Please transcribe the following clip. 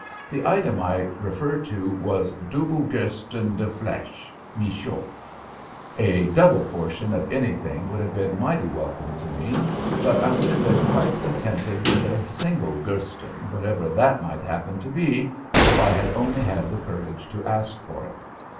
The item I refer to was "Dubbel Gersten de Flesch (Michaux)." A double portion of anything would have been mighty welcome to me, but I would have been quite contented with a single "Gersten" whatever that might happen to be if I had only had the courage to ask for it.